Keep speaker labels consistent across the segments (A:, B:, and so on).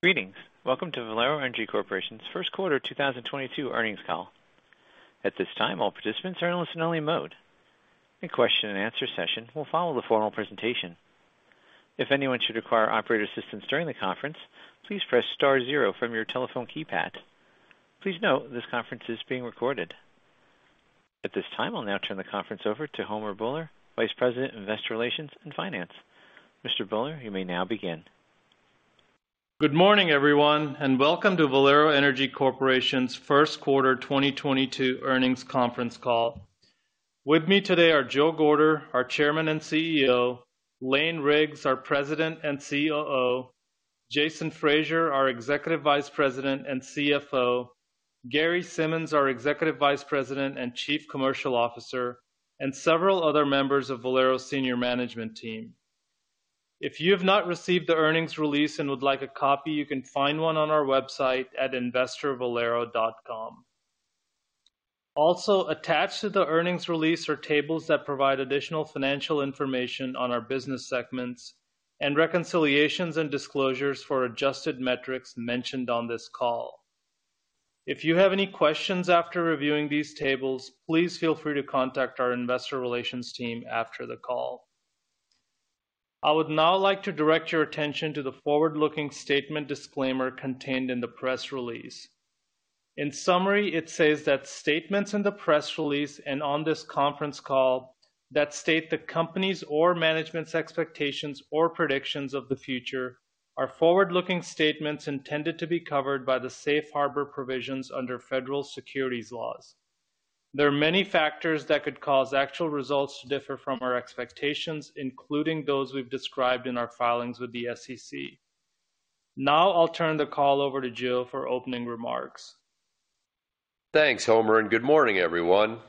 A: Greetings. Welcome to Valero Energy Corporation's first quarter 2022 earnings call. At this time, all participants are in listen-only mode. A question-and-answer session will follow the formal presentation. If anyone should require operator assistance during the conference, please press star zero from your telephone keypad. Please note this conference is being recorded. At this time, I'll now turn the conference over to Homer Bhullar, Vice President, Investor Relations and Finance. Mr. Bhullar, you may now begin.
B: Good morning, everyone, and welcome to Valero Energy Corporation's first quarter 2022 earnings conference call. With me today are Joe Gorder, our Chairman and CEO, Lane Riggs, our President and COO, Jason Fraser, our Executive Vice President and CFO, Gary Simmons, our Executive Vice President and Chief Commercial Officer, and several other members of Valero's senior management team. If you have not received the earnings release and would like a copy, you can find one on our website at investorvalero.com. Also, attached to the earnings release are tables that provide additional financial information on our business segments and reconciliations and disclosures for adjusted metrics mentioned on this call. If you have any questions after reviewing these tables, please feel free to contact our investor relations team after the call. I would now like to direct your attention to the forward-looking statement disclaimer contained in the press release. In summary, it says that statements in the press release and on this conference call that state the company's or management's expectations or predictions of the future are forward-looking statements intended to be covered by the safe harbor provisions under federal securities laws. There are many factors that could cause actual results to differ from our expectations, including those we've described in our filings with the SEC. Now, I'll turn the call over to Joe for opening remarks.
C: Thanks, Homer, and good morning, everyone.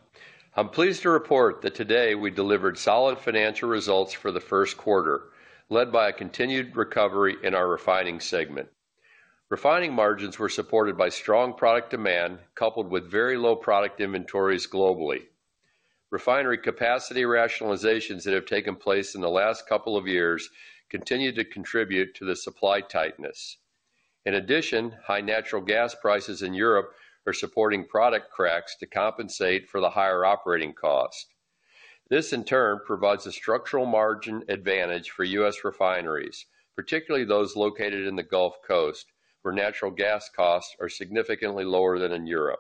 C: I'm pleased to report that today we delivered solid financial results for the first quarter, led by a continued recovery in our Refining segment. Refining margins were supported by strong product demand, coupled with very low product inventories globally. Refinery capacity rationalizations that have taken place in the last couple of years continue to contribute to the supply tightness. In addition, high natural gas prices in Europe are supporting product cracks to compensate for the higher operating cost. This, in turn, provides a structural margin advantage for U.S. refineries, particularly those located in the Gulf Coast, where natural gas costs are significantly lower than in Europe.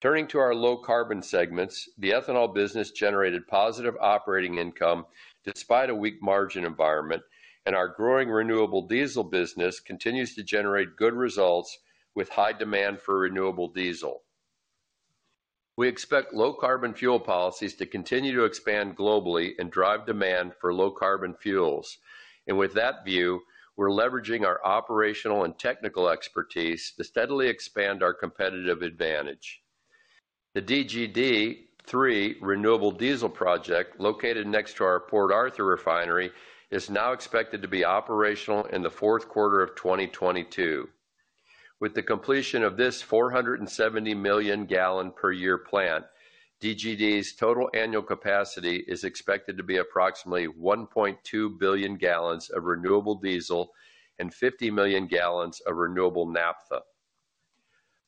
C: Turning to our Low Carbon segments, the Ethanol business generated positive operating income despite a weak margin environment, and our growing Renewable Diesel business continues to generate good results with high demand for renewable diesel. We expect low-carbon fuel policies to continue to expand globally and drive demand for low-carbon fuels. With that view, we're leveraging our operational and technical expertise to steadily expand our competitive advantage. The DGD 3 renewable diesel project located next to our Port Arthur refinery is now expected to be operational in the fourth quarter of 2022. With the completion of this 470 million gallon per year plant, DGD's total annual capacity is expected to be approximately 1.2 billion gallons of renewable diesel and 50 million gallons of renewable naphtha.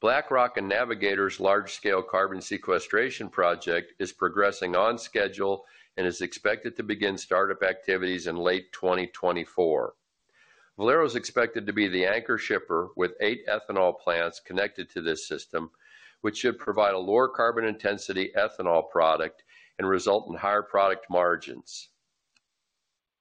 C: BlackRock and Navigator's large-scale carbon sequestration project is progressing on schedule and is expected to begin startup activities in late 2024. Valero is expected to be the anchor shipper with eight ethanol plants connected to this system, which should provide a lower carbon intensity ethanol product and result in higher product margins.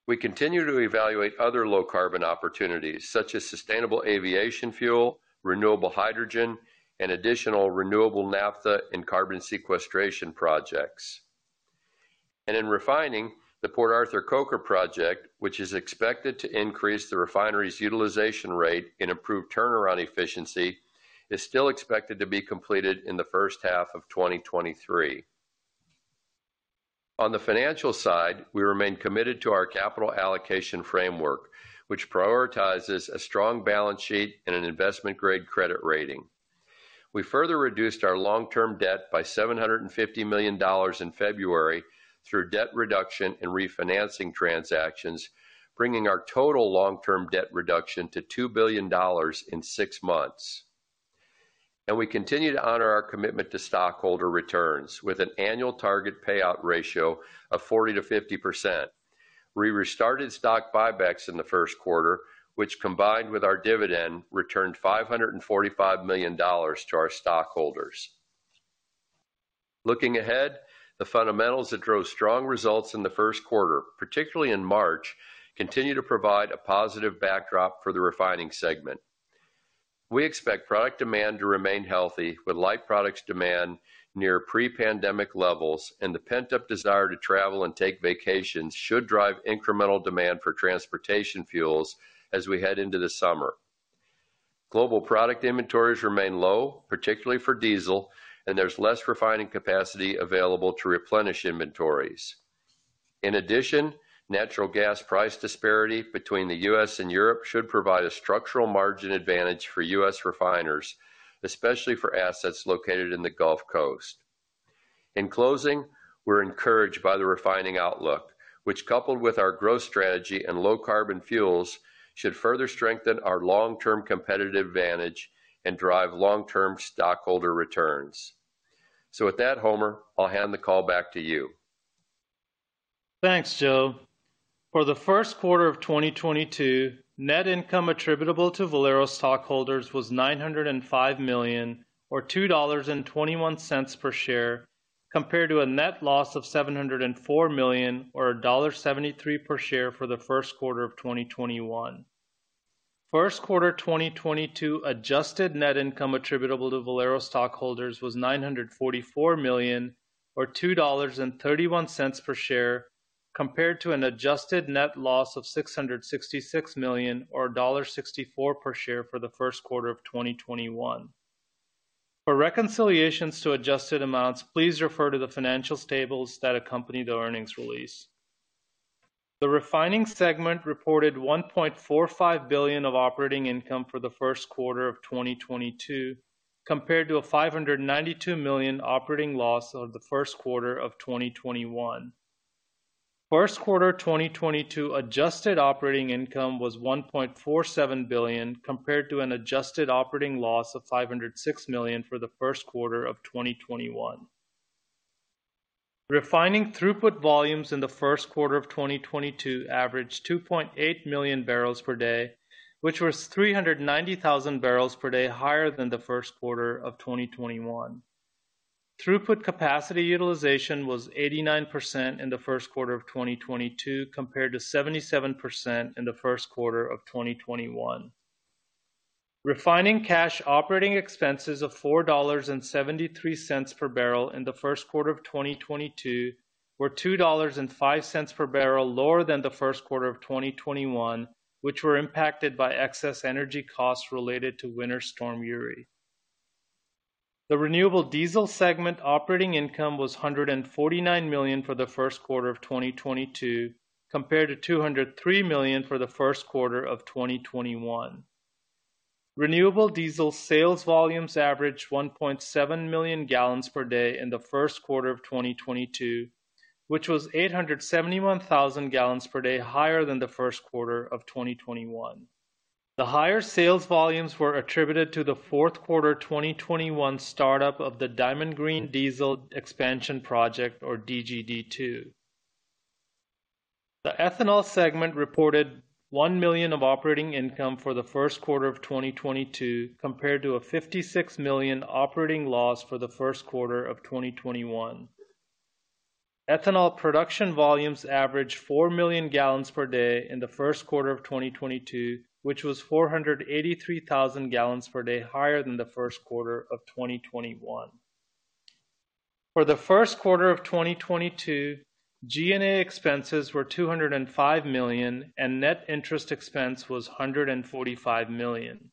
C: We continue to evaluate other low carbon opportunities such as sustainable aviation fuel, renewable hydrogen, and additional renewable naphtha and carbon sequestration projects. In refining the Port Arthur Coker project, which is expected to increase the refinery's utilization rate and improved turnaround efficiency, is still expected to be completed in the first half of 2023. On the financial side, we remain committed to our capital allocation framework, which prioritizes a strong balance sheet and an investment-grade credit rating. We further reduced our long-term debt by $750 million in February through debt reduction and refinancing transactions, bringing our total long-term debt reduction to $2 billion in six months. We continue to honor our commitment to stockholder returns with an annual target payout ratio of 40%-50%. We restarted stock buybacks in the first quarter, which, combined with our dividend, returned $545 million to our stockholders. Looking ahead, the fundamentals that drove strong results in the first quarter, particularly in March, continue to provide a positive backdrop for the Refining segment. We expect product demand to remain healthy with light products demand near pre-pandemic levels, and the pent-up desire to travel and take vacations should drive incremental demand for transportation fuels as we head into the summer. Global product inventories remain low, particularly for diesel, and there's less refining capacity available to replenish inventories. In addition, natural gas price disparity between the U.S. and Europe should provide a structural margin advantage for U.S. refiners, especially for assets located in the Gulf Coast. In closing, we're encouraged by the refining outlook, which, coupled with our growth strategy and low-carbon fuels, should further strengthen our long-term competitive advantage and drive long-term stockholder returns. With that, Homer, I'll hand the call back to you.
B: Thanks, Joe. For the first quarter of 2022, net income attributable to Valero stockholders was $905 million or $2.21 per share, compared to a net loss of $704 million or $1.73 per share for the first quarter of 2021. First quarter 2022 adjusted net income attributable to Valero stockholders was $944 million or $2.31 per share, compared to an adjusted net loss of $666 million or $1.64 per share for the first quarter of 2021. For reconciliations to adjusted amounts, please refer to the financial tables that accompany the earnings release. The Refining segment reported $1.45 billion of operating income for the first quarter of 2022, compared to a $592 million operating loss for the first quarter of 2021. First quarter 2022 adjusted operating income was $1.47 billion, compared to an adjusted operating loss of $506 million for the first quarter of 2021. Refining throughput volumes in the first quarter of 2022 averaged 2.8 million barrels per day, which was 390,000 barrels per day higher than the first quarter of 2021. Throughput capacity utilization was 89% in the first quarter of 2022, compared to 77% in the first quarter of 2021. Refining cash operating expenses of $4.73 per barrel in the first quarter of 2022 were $2.05 per barrel lower than the first quarter of 2021, which were impacted by excess energy costs related to Winter Storm Uri. The Renewable Diesel segment operating income was $149 million for the first quarter of 2022, compared to $203 million for the first quarter of 2021. Renewable diesel sales volumes averaged 1.7 million gallons per day in the first quarter of 2022, which was 871,000 gallons per day higher than the first quarter of 2021. The higher sales volumes were attributed to the fourth quarter 2021 startup of the Diamond Green Diesel expansion project, or DGD 2. The Ethanol segment reported $1 million of operating income for the first quarter of 2022, compared to a $56 million operating loss for the first quarter of 2021. Ethanol production volumes averaged 4 million gallons per day in the first quarter of 2022, which was 483,000 gallons per day higher than the first quarter of 2021. For the first quarter of 2022, G&A expenses were $205 million, and net interest expense was $145 million.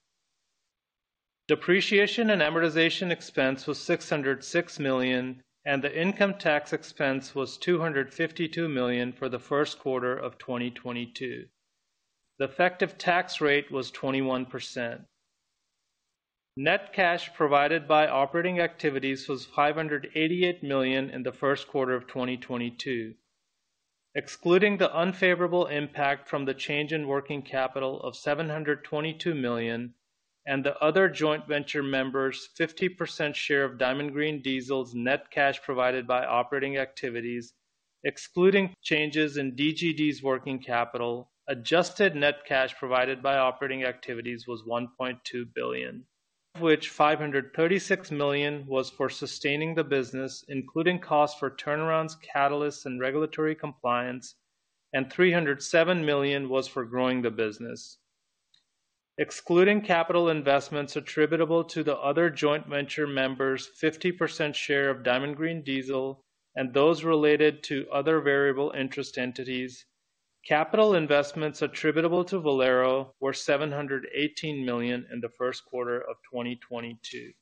B: Depreciation and amortization expense was $606 million, and the income tax expense was $252 million for the first quarter of 2022. The effective tax rate was 21%. Net cash provided by operating activities was $588 million in the first quarter of 2022. Excluding the unfavorable impact from the change in working capital of $722 million and the other joint venture members' 50% share of Diamond Green Diesel's net cash provided by operating activities. Excluding changes in DGD's working capital, adjusted net cash provided by operating activities was $1.2 billion, of which $536 million was for sustaining the business, including costs for turnarounds, catalysts, and regulatory compliance, and $307 million was for growing the business. Excluding capital investments attributable to the other joint venture members' 50% share of Diamond Green Diesel and those related to other variable interest entities. Capital investments attributable to Valero were $718 million in the first quarter of 2022.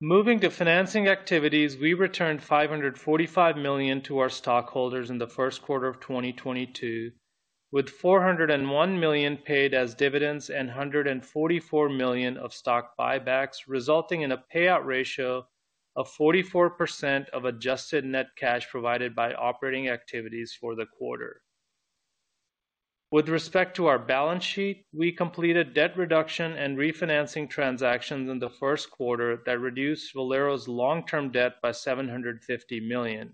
B: Moving to financing activities, we returned $545 million to our stockholders in the first quarter of 2022, with $401 million paid as dividends and $144 million of stock buybacks, resulting in a payout ratio of 44% of adjusted net cash provided by operating activities for the quarter. With respect to our balance sheet, we completed debt reduction and refinancing transactions in the first quarter that reduced Valero's long-term debt by $750 million.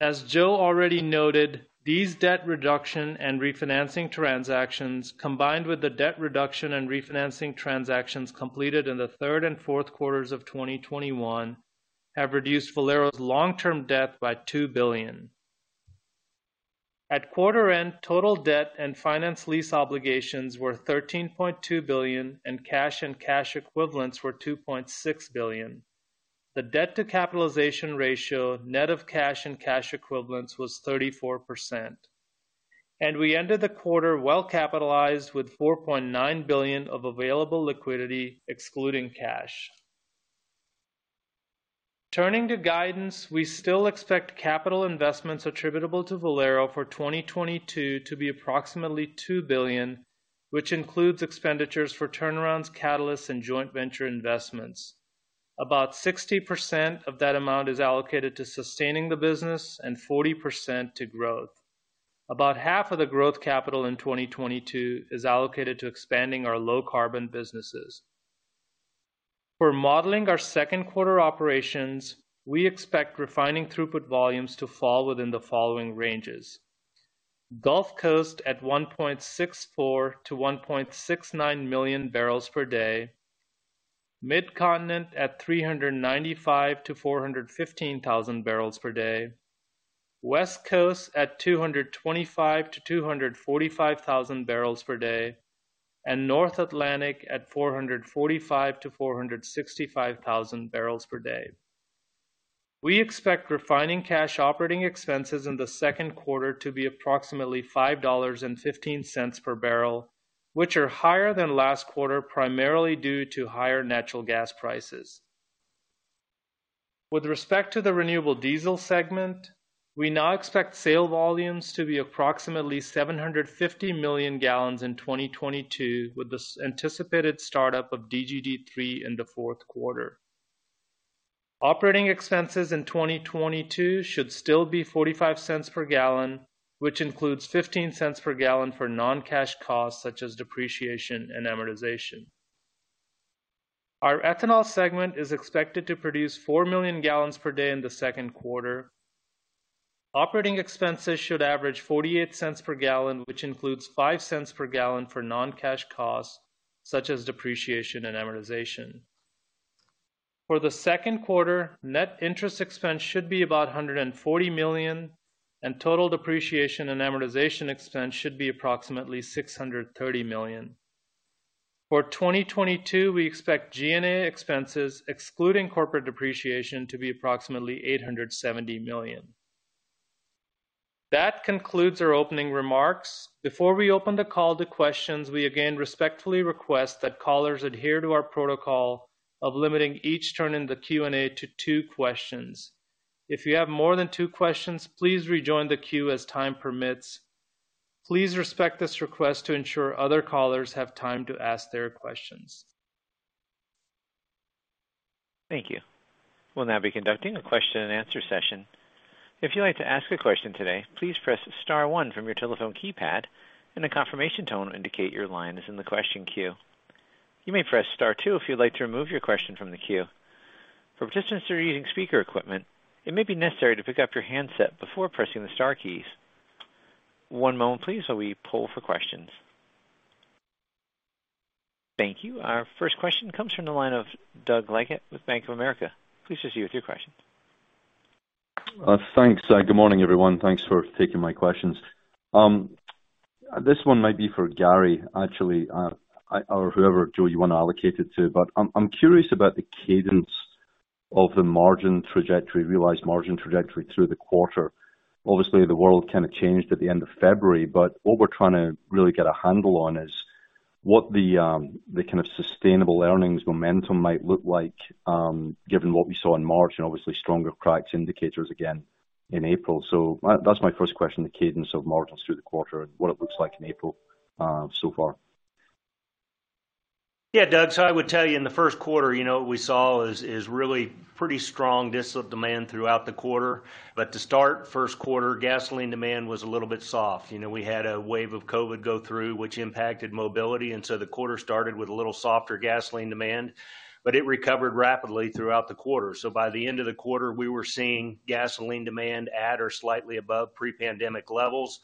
B: As Joe already noted, these debt reduction and refinancing transactions, combined with the debt reduction and refinancing transactions completed in the third and fourth quarters of 2021, have reduced Valero's long-term debt by $2 billion. At quarter end, total debt and finance lease obligations were $13.2 billion, and cash and cash equivalents were $2.6 billion. The debt-to-capitalization ratio, net of cash and cash equivalents, was 34%. We ended the quarter well-capitalized with $4.9 billion of available liquidity excluding cash. Turning to guidance, we still expect capital investments attributable to Valero for 2022 to be approximately $2 billion, which includes expenditures for turnarounds, catalysts, and joint venture investments. About 60% of that amount is allocated to sustaining the business and 40% to growth. About half of the growth capital in 2022 is allocated to expanding our low-carbon businesses. For modeling our second quarter operations, we expect refining throughput volumes to fall within the following ranges. Gulf Coast at 1.64 million-1.69 million barrels per day. Mid-Continent at 395,000-415,000 barrels per day. West Coast at 225,000-245,000 barrels per day. North Atlantic at 445,000-465,000 barrels per day. We expect refining cash operating expenses in the second quarter to be approximately $5.15 per barrel, which are higher than last quarter, primarily due to higher natural gas prices. With respect to the Renewable Diesel segment, we now expect sales volumes to be approximately 750 million gallons in 2022, with the anticipated startup of DGD 3 in the fourth quarter. Operating expenses in 2022 should still be $0.45 per gallon, which includes $0.15 per gallon for non-cash costs such as depreciation and amortization. Our Ethanol segment is expected to produce 4 million gallons per day in the second quarter. Operating expenses should average $0.48 per gallon, which includes $0.05 per gallon for non-cash costs such as depreciation and amortization. For the second quarter, net interest expense should be about $140 million, and total depreciation and amortization expense should be approximately $630 million. For 2022, we expect G&A expenses, excluding corporate depreciation, to be approximately $870 million. That concludes our opening remarks. Before we open the call to questions, we again respectfully request that callers adhere to our protocol of limiting each turn in the Q&A to two questions. If you have more than two questions, please rejoin the queue as time permits. Please respect this request to ensure other callers have time to ask their questions.
A: Thank you. We'll now be conducting a question-and-answer session. If you'd like to ask a question today, please press star one from your telephone keypad and a confirmation tone will indicate your line is in the question queue. You may press star two if you'd like to remove your question from the queue. For participants who are using speaker equipment, it may be necessary to pick up your handset before pressing the star keys. One moment please while we pull for questions. Thank you. Our first question comes from the line of Doug Leggate with Bank of America. Please proceed with your question.
D: Thanks. Good morning, everyone. Thanks for taking my questions. This one might be for Gary, actually, or whoever, Joe, you want to allocate it to. I'm curious about the cadence of the margin trajectory, realized margin trajectory through the quarter. Obviously, the world kind of changed at the end of February, but what we're trying to really get a handle on is what the kind of sustainable earnings momentum might look like, given what we saw in March and obviously stronger cracks indicators again in April. That's my first question, the cadence of margins through the quarter and what it looks like in April, so far.
E: Yeah, Doug. I would tell you in the first quarter, you know, what we saw is really pretty strong diesel demand throughout the quarter. To start first quarter, gasoline demand was a little bit soft. You know, we had a wave of COVID go through, which impacted mobility, and so the quarter started with a little softer gasoline demand. It recovered rapidly throughout the quarter. By the end of the quarter, we were seeing gasoline demand at or slightly above pre-pandemic levels.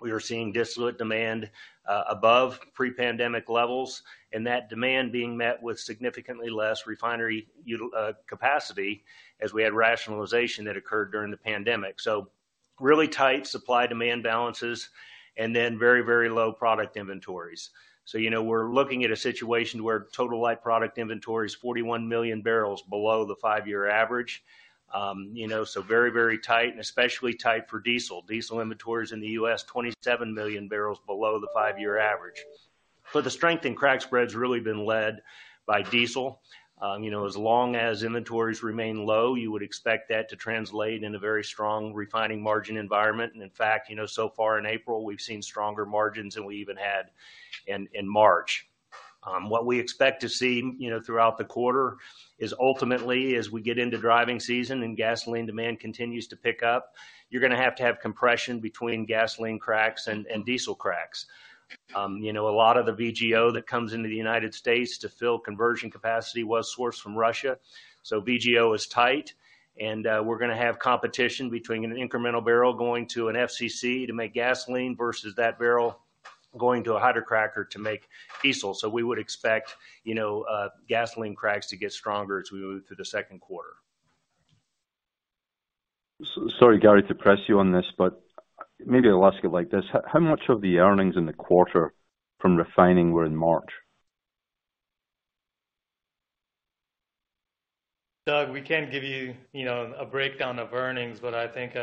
E: We were seeing distillate demand above pre-pandemic levels, and that demand being met with significantly less refinery capacity as we had rationalization that occurred during the pandemic. Really tight supply-demand balances and then very, very low product inventories. You know, we're looking at a situation where total light product inventory is 41 million barrels below the five-year average. You know, very, very tight and especially tight for diesel. Diesel inventories in the U.S., 27 million barrels below the five-year average. The strength in crack spread's really been led by diesel. You know, as long as inventories remain low, you would expect that to translate in a very strong refining margin environment. In fact, you know, so far in April, we've seen stronger margins than we even had in March. What we expect to see, you know, throughout the quarter is ultimately, as we get into driving season and gasoline demand continues to pick up, you're gonna have to have compression between gasoline cracks and diesel cracks. You know, a lot of the VGO that comes into the United States to fill conversion capacity was sourced from Russia. VGO is tight, and we're gonna have competition between an incremental barrel going to an FCC to make gasoline versus that barrel going to a hydrocracker to make diesel. We would expect, you know, gasoline cracks to get stronger as we move through the second quarter.
D: Sorry, Gary, to press you on this, but maybe I'll ask it like this. How much of the earnings in the quarter from refining were in March?
B: Doug, we can't give you know, a breakdown of earnings, but I think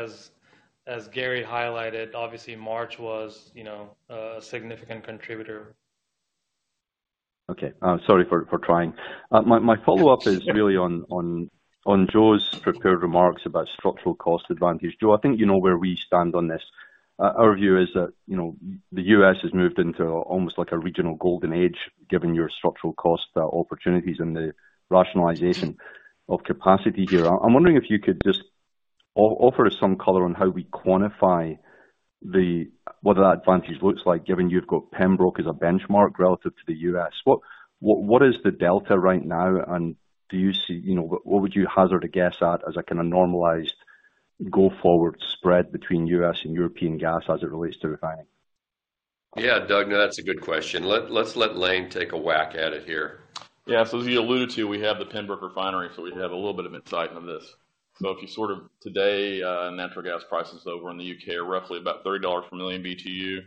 B: as Gary highlighted, obviously March was, you know, a significant contributor.
D: Okay. Sorry for trying. My follow-up is really on Joe's prepared remarks about structural cost advantage. Joe, I think you know where we stand on this. Our view is that, you know, the U.S. has moved into almost like a regional golden age, given your structural cost opportunities and the rationalization of capacity here. I'm wondering if you could just offer us some color on how we quantify what that advantage looks like, given you've got Pembroke as a benchmark relative to the U.S. What is the delta right now, and do you see? You know, what would you hazard a guess at as a kinda normalized go-forward spread between U.S. and European gas as it relates to refining?
C: Yeah. Doug, that's a good question. Let's let Lane take a whack at it here.
F: As we alluded to, we have the Pembroke refinery, so we have a little bit of insight on this. Today, natural gas prices over in the U.K. are roughly about $30 per million BTU. If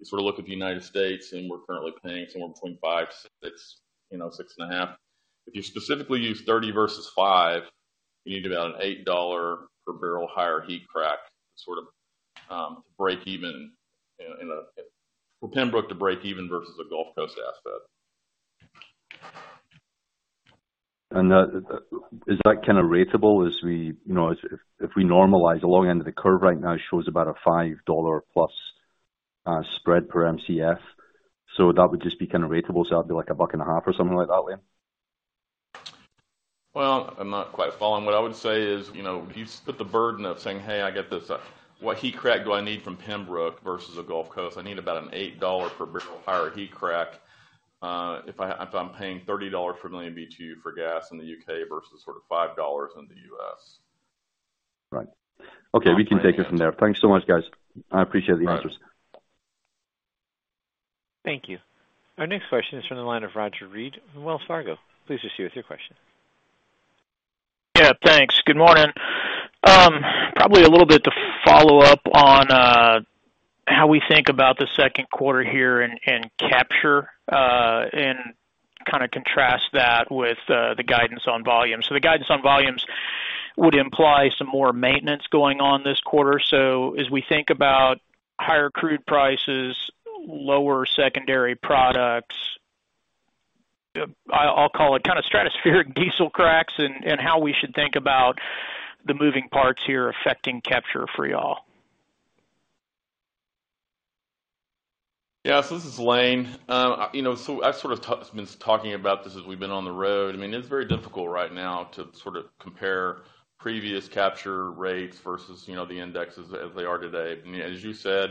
F: you sort of look at the United States, and we're currently paying somewhere between $5, $6, you know, $6.5. If you specifically use $30 versus $5, you need about an $8 per barrel higher heat crack to sort of break even for Pembroke to break even versus a Gulf Coast asset.
D: Is that kinda ratable? You know, as if we normalize, the long end of the curve right now shows about a $5+ spread per MCF. That would just be kinda ratable. That'd be like $1.50 or something like that, Lane?
F: Well, I'm not quite following. What I would say is, you know, you split the burden of saying, "Hey, I get this. What hydrocrack do I need from Pembroke versus a Gulf Coast?" I need about an $8 per barrel higher heat crack, if I'm paying $30 per million BTU for gas in the U.K. versus sort of $5 in the U.S.
D: Right. Okay. We can take it from there. Thanks so much, guys. I appreciate the answers.
F: All right.
A: Thank you. Our next question is from the line of Roger Read from Wells Fargo. Please proceed with your question.
G: Yeah. Thanks. Good morning. Probably a little bit to follow up on how we think about the second quarter here and capture and kinda contrast that with the guidance on volume. The guidance on volumes would imply some more maintenance going on this quarter. As we think about higher crude prices, lower secondary products, I'll call it kinda stratospheric diesel cracks and how we should think about the moving parts here affecting capture for y'all.
F: Yeah. This is Lane. You know, I've sort of been talking about this as we've been on the road. I mean, it's very difficult right now to sort of compare previous capture rates versus, you know, the indexes as they are today. I mean, as you said,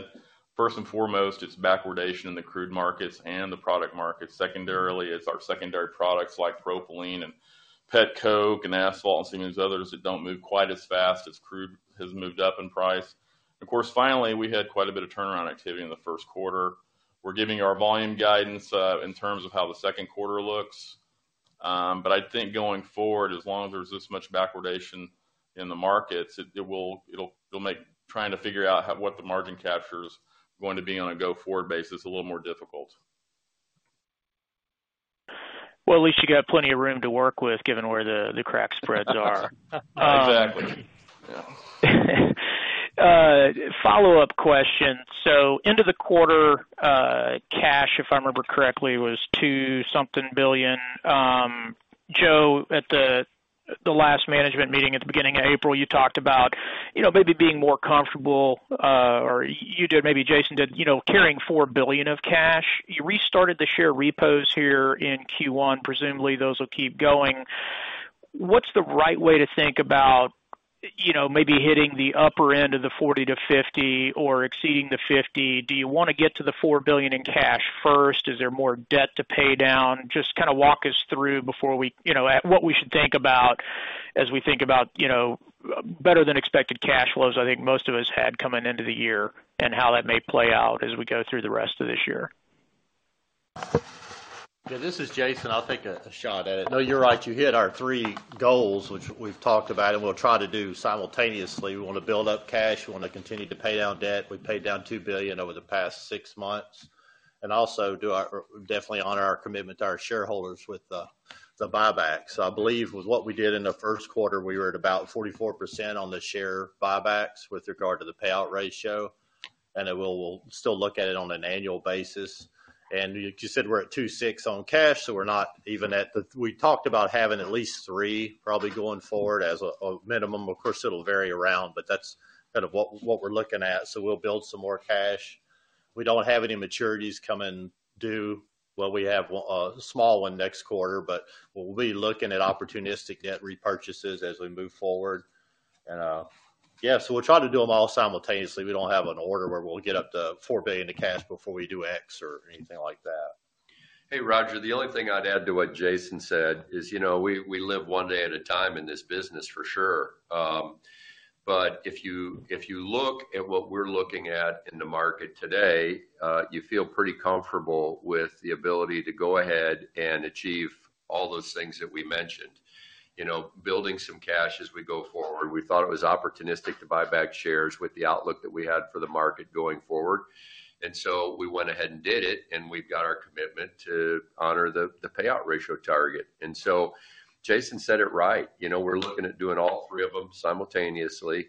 F: first and foremost, it's backwardation in the crude markets and the product markets. Secondarily, it's our secondary products like propylene and petcoke and asphalt and some of these others that don't move quite as fast as crude has moved up in price. Of course, finally, we had quite a bit of turnaround activity in the first quarter. We're giving our volume guidance in terms of how the second quarter looks. I think going forward, as long as there's this much backwardation in the markets, it'll make trying to figure out what the margin capture is going to be on a go-forward basis a little more difficult.
G: Well, at least you got plenty of room to work with given where the crack spreads are.
F: Exactly. Yeah.
G: Follow-up question. End of the quarter, cash, if I remember correctly, was $2-something billion. Joe, at the last management meeting at the beginning of April, you talked about, you know, maybe being more comfortable, or you did, maybe Jason did, you know, carrying $4 billion of cash. You restarted the share repos here in Q1. Presumably, those will keep going. What's the right way to think about, you know, maybe hitting the upper end of the 40%-50% or exceeding the 50%? Do you wanna get to the $4 billion in cash first? Is there more debt to pay down? Just kinda walk us through before we... You know, at what we should think about as we think about, you know, better than expected cash flows I think most of us had coming into the year and how that may play out as we go through the rest of this year?
H: Yeah, this is Jason. I'll take a shot at it. No, you're right. You hit our three goals, which we've talked about and we'll try to do simultaneously. We wanna build up cash, we wanna continue to pay down debt. We paid down $2 billion over the past six months. Also definitely honor our commitment to our shareholders with the buybacks. I believe with what we did in the first quarter, we were at about 44% on the share buybacks with regard to the payout ratio, and then we'll still look at it on an annual basis. You said we're at $2.6 billion on cash, so we're not even at the target. We talked about having at least $3 billion probably going forward as a minimum. Of course, it'll vary around, but that's kind of what we're looking at. We'll build some more cash. We don't have any maturities coming due. Well, we have a small one next quarter, but we'll be looking at opportunistic debt repurchases as we move forward. Yeah, we'll try to do them all simultaneously. We don't have an order where we'll get up to $4 billion of cash before we do X or anything like that.
F: Hey, Roger. The only thing I'd add to what Jason said is, you know, we live one day at a time in this business for sure. If you look at what we're looking at in the market today, you feel pretty comfortable with the ability to go ahead and achieve all those things that we mentioned. You know, building some cash as we go forward. We thought it was opportunistic to buy back shares with the outlook that we had for the market going forward. We went ahead and did it, and we've got our commitment to honor the payout ratio target. Jason said it right. You know, we're looking at doing all three of them simultaneously.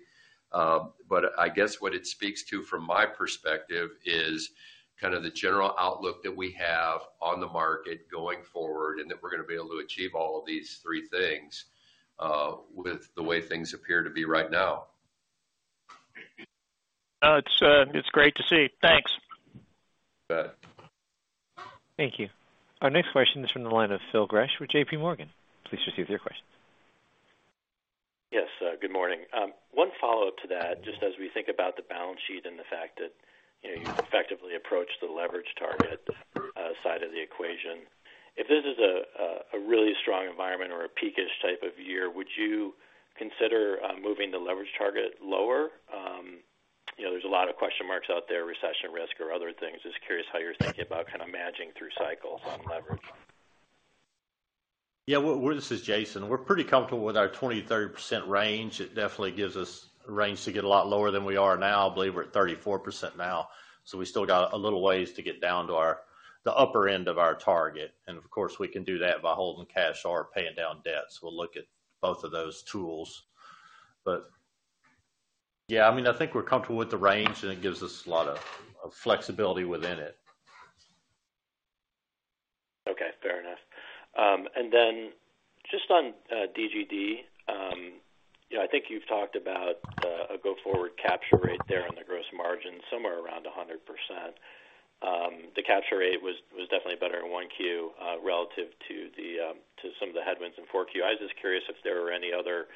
F: I guess what it speaks to from my perspective is kind of the general outlook that we have on the market going forward, and that we're gonna be able to achieve all of these three things, with the way things appear to be right now.
G: No, it's great to see. Thanks.
F: You bet.
A: Thank you. Our next question is from the line of Phil Gresh with JPMorgan. Please proceed with your question.
I: Yes, good morning. One follow-up to that, just as we think about the balance sheet and the fact that, you know, you effectively approached the leverage target, side of the equation. If this is a really strong environment or a peak-ish type of year, would you consider moving the leverage target lower? You know, there's a lot of question marks out there, recession risk or other things. Just curious how you're thinking about kind of managing through cycles on leverage.
H: Yeah. This is Jason. We're pretty comfortable with our 20%-30% range. It definitely gives us range to get a lot lower than we are now. I believe we're at 34% now, so we still got a little ways to get down to our, the upper end of our target. Of course, we can do that by holding cash or paying down debts. We'll look at both of those tools. Yeah, I mean, I think we're comfortable with the range, and it gives us a lot of flexibility within it.
I: Okay, fair enough. Then just on DGD, you know, I think you've talked about a go-forward capture rate there on the gross margin, somewhere around 100%. The capture rate was definitely better in 1Q relative to some of the headwinds in 4Q. I was just curious if there were any other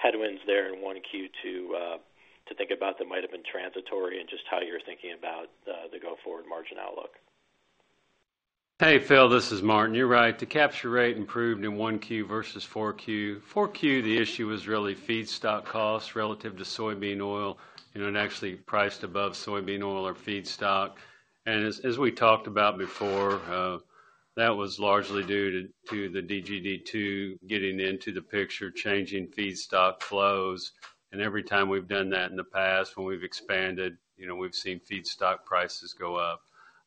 I: headwinds there in 1Q to think about that might have been transitory and just how you're thinking about the go-forward margin outlook.
J: Hey, Phil, this is Martin. You're right. The capture rate improved in 1Q versus 4Q. The issue on 4Q was really feedstock costs relative to soybean oil, you know, and actually priced above soybean oil or feedstock. As we talked about before, that was largely due to the DGD 2 getting into the picture, changing feedstock flows. Every time we've done that in the past, when we've expanded, you know, we've seen feedstock prices go up.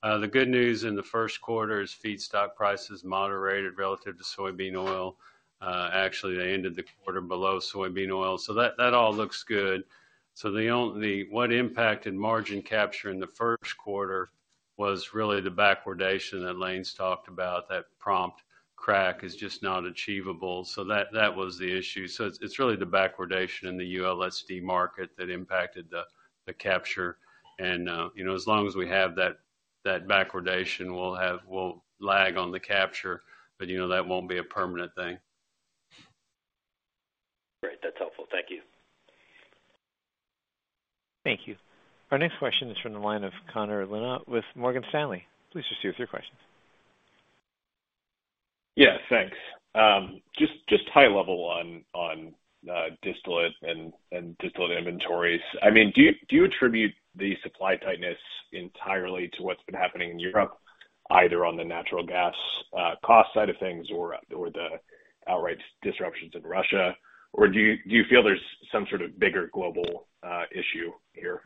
J: The good news in the first quarter is feedstock prices moderated relative to soybean oil. Actually, they ended the quarter below soybean oil. So that all looks good. What impacted margin capture in the first quarter was really the backwardation that Lane's talked about. That prompt crack is just not achievable. So that was the issue. It's really the backwardation in the ULSD market that impacted the capture. You know, as long as we have that backwardation, we'll lag on the capture, but you know, that won't be a permanent thing.
I: Great. That's helpful. Thank you.
A: Thank you. Our next question is from the line of Connor Lynagh with Morgan Stanley. Please proceed with your question.
K: Yeah, thanks. Just high level on distillate inventories. I mean, do you attribute the supply tightness entirely to what's been happening in Europe, either on the natural gas cost side of things or the outright disruptions in Russia? Or do you feel there's some sort of bigger global issue here?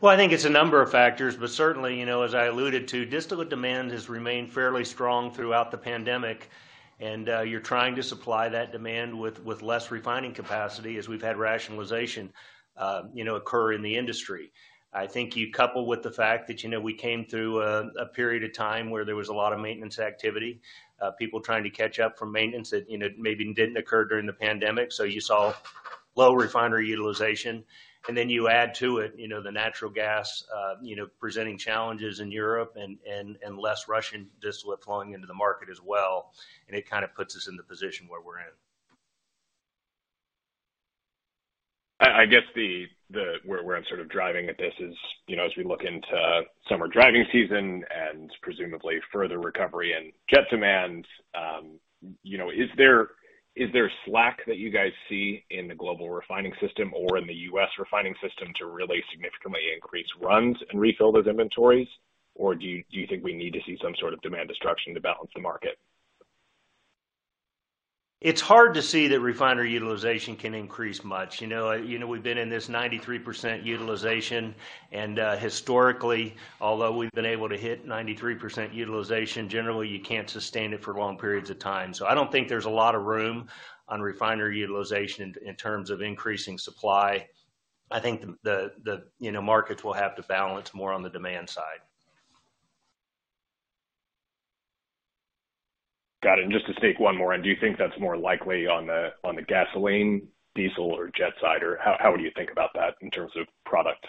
E: Well, I think it's a number of factors, but certainly, you know, as I alluded to, distillate demand has remained fairly strong throughout the pandemic, and you're trying to supply that demand with less refining capacity as we've had rationalization, you know, occur in the industry. I think you couple with the fact that, you know, we came through a period of time where there was a lot of maintenance activity, people trying to catch up from maintenance that, you know, maybe didn't occur during the pandemic, so you saw low refinery utilization. You add to it, you know, the natural gas you know presenting challenges in Europe and less Russian distillate flowing into the market as well, and it kind of puts us in the position where we're in.
K: I guess where I'm sort of driving at this is, you know, as we look into summer driving season and presumably further recovery in jet demand, you know, is there slack that you guys see in the global refining system or in the U.S. refining system to really significantly increase runs and refill those inventories? Or do you think we need to see some sort of demand destruction to balance the market?
E: It's hard to see that refinery utilization can increase much. You know, we've been in this 93% utilization, and historically, although we've been able to hit 93% utilization, generally, you can't sustain it for long periods of time. I don't think there's a lot of room on refinery utilization in terms of increasing supply. I think you know, markets will have to balance more on the demand side.
K: Got it. Just to stake one more in, do you think that's more likely on the gasoline, diesel or jet side, or how would you think about that in terms of product?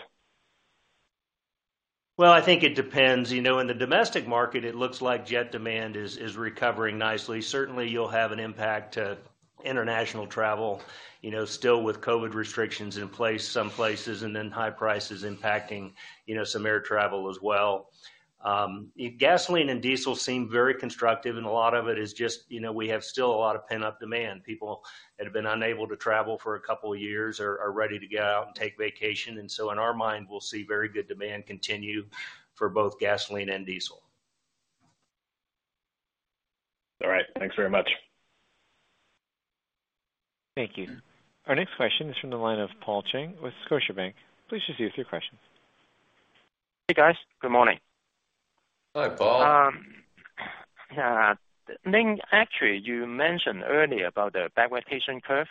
E: Well, I think it depends. You know, in the domestic market, it looks like jet demand is recovering nicely. Certainly, you'll have an impact to international travel, you know, still with COVID restrictions in place some places and then high prices impacting, you know, some air travel as well. Gasoline and diesel seem very constructive, and a lot of it is just, you know, we have still a lot of pent-up demand. People that have been unable to travel for a couple years are ready to get out and take vacation. In our mind, we'll see very good demand continue for both gasoline and diesel.
K: All right. Thanks very much.
A: Thank you. Our next question is from the line of Paul Cheng with Scotiabank. Please proceed with your question.
L: Hey, guys. Good morning.
E: Hi, Paul.
L: Lane, actually, you mentioned earlier about the backwardation curve.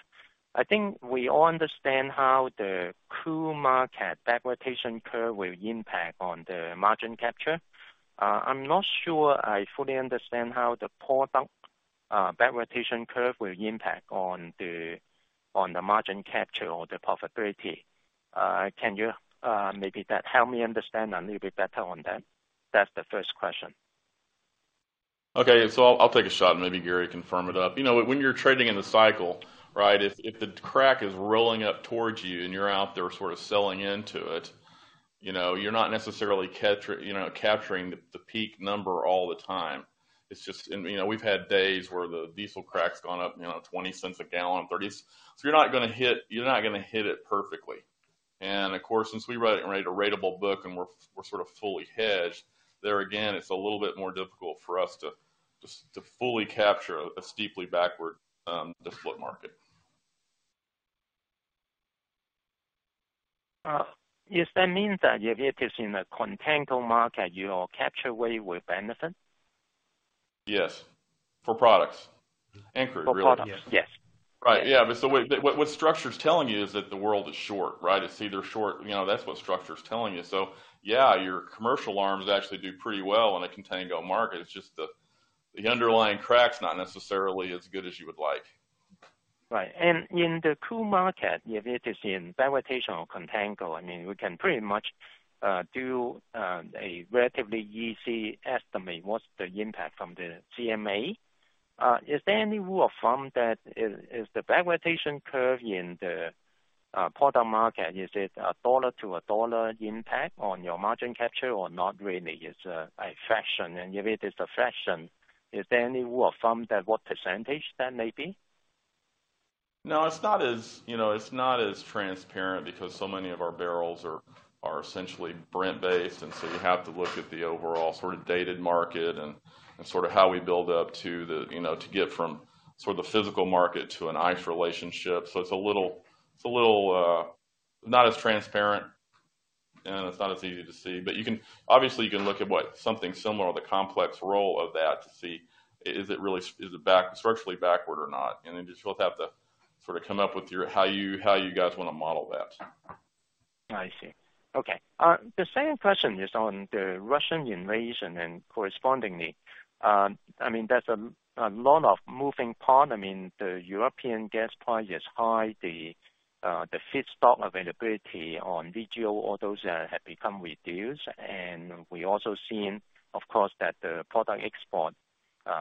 L: I think we all understand how the crude market backwardation curve will impact on the margin capture. I'm not sure I fully understand how the product backwardation curve will impact on the margin capture or the profitability. Can you maybe help me understand a little bit better on that? That's the first question.
F: I'll take a shot, and maybe Gary can firm it up. You know, when you're trading in the cycle, right, if the crack is rolling up towards you and you're out there sort of selling into it, you know, you're not necessarily capturing the peak number all the time. It's just you know we've had days where the diesel crack's gone up $0.20 a gallon, $0.30. You're not gonna hit it perfectly. Of course, since we write a ratable book and we're sort of fully hedged, there again, it's a little bit more difficult for us to fully capture a steeply backward distillate market.
L: Does that mean that if it is in a contango market, you will capture a wider benefit?
F: Yes. For products. Anchored, really.
L: For products.
F: Yes.
L: Yes.
F: Right. Yeah. What structure's telling you is that the world is short, right? It's either short. You know, that's what structure's telling you. Yeah, your commercial arms actually do pretty well in a contango market. It's just the underlying crack's not necessarily as good as you would like.
L: Right. In the crude market, if it is in backwardation or contango, I mean, we can pretty much do a relatively easy estimate, what's the impact from the CMA. Is there any rule of thumb that is the backwardation curve in the product market? Is it a dollar to a dollar impact on your margin capture or not really? It's a fraction, and if it is a fraction, is there any rule of thumb that what percentage that may be?
F: No, it's not as transparent, you know, because so many of our barrels are essentially Brent-based, and so you have to look at the overall sort of dated market and sort of how we build up to, you know, to get from sort of the physical market to an ICE relationship. It's a little not as transparent, and it's not as easy to see. You can obviously look at what something similar or the complex roll of that to see, is it really structurally backward or not, and then just we'll have to sort of come up with how you guys wanna model that.
L: I see. Okay. The second question is on the Russian invasion and correspondingly, I mean, there's a lot of moving parts. I mean, the European gas price is high. The feedstock availability on VGO, all those have become reduced. We also seen, of course, that the product export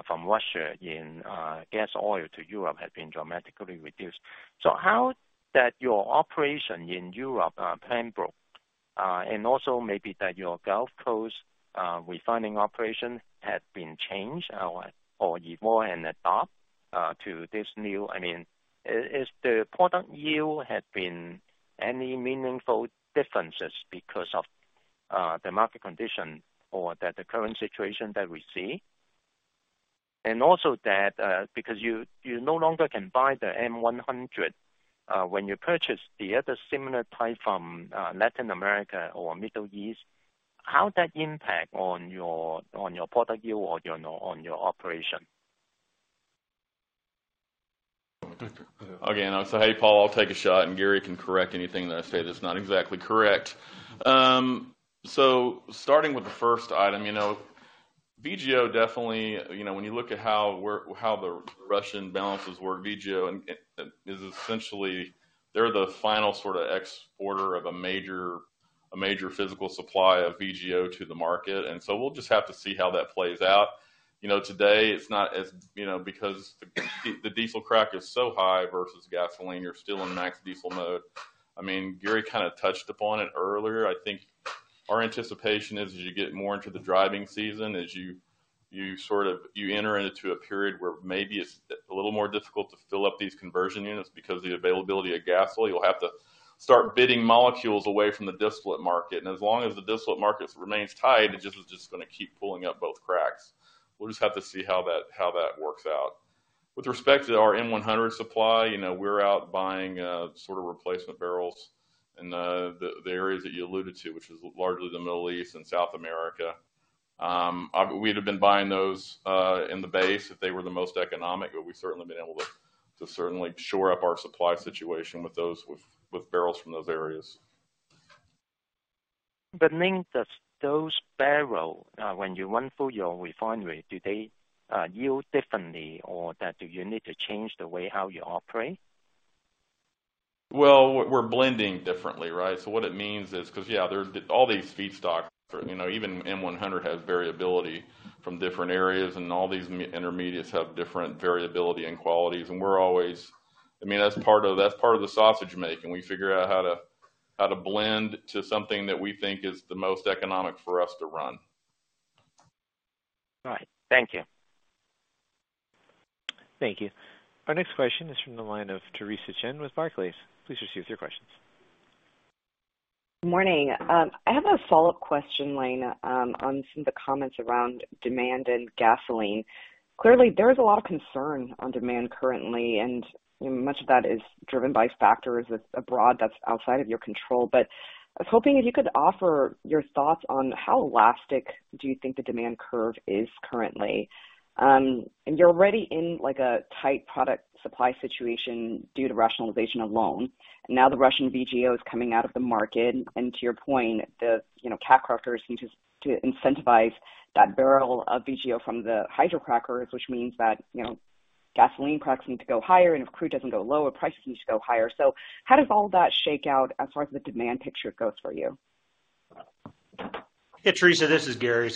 L: from Russia in gas oil to Europe has been dramatically reduced. So how has that affected your operation in Europe, Pembroke, and also maybe your Gulf Coast refining operation had been changed or even more adapted to this new. I mean, is the product yield had been any meaningful differences because of the market condition or the current situation that we see? Because you no longer can buy the M100, when you purchase the other similar type from Latin America or Middle East, how that impact on your product yield or your operation?
F: Again, I'll say, hey, Paul, I'll take a shot, and Gary can correct anything that I say that's not exactly correct. So starting with the first item, you know, VGO definitely, you know, when you look at how the Russian balances work, VGO and is essentially they're the final sort of exporter of a major physical supply of VGO to the market. We'll just have to see how that plays out. You know, today it's not as, you know, because the diesel crack is so high versus gasoline, you're still in max diesel mode. I mean, Gary kind of touched upon it earlier. I think our anticipation is as you get more into the driving season, as you sort of enter into a period where maybe it's a little more difficult to fill up these conversion units because the availability of gas oil, you'll have to start bidding molecules away from the distillate market. As long as the distillate market remains tight, it just gonna keep pulling up both cracks. We'll just have to see how that works out. With respect to our M100 supply, you know, we're out buying sort of replacement barrels in the areas that you alluded to, which is largely the Middle East and South America. We'd have been buying those in the base if they were the most economic, but we've certainly been able to certainly shore up our supply situation with those, with barrels from those areas.
L: Does that mean that those barrels, when you run them through your refinery, yield differently or do you need to change the way you operate?
F: Well, we're blending differently, right? What it means is 'cause yeah, there's all these feedstocks, you know, even M100 has variability from different areas and all these intermediates have different variability and qualities, and we're always, I mean, that's part of the sausage making. We figure out how to blend to something that we think is the most economic for us to run.
L: All right. Thank you.
A: Thank you. Our next question is from the line of Theresa Chen with Barclays. Please proceed with your questions.
M: Morning. I have a follow-up question, Lane, on some of the comments around demand and gasoline. Clearly, there is a lot of concern on demand currently, and, you know, much of that is driven by factors abroad that's outside of your control. I was hoping if you could offer your thoughts on how elastic do you think the demand curve is currently. You're already in like a tight product supply situation due to rationalization alone. Now the Russian VGO is coming out of the market, and to your point, the, you know, cat crackers need to incentivize that barrel of VGO from the hydrocrackers, which means that, you know. Gasoline prices need to go higher, and if crude doesn't go lower, prices need to go higher. How does all that shake out as far as the demand picture goes for you?
E: Hey, Theresa, this is Gary.